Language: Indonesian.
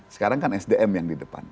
sekarang kan sdm yang di depan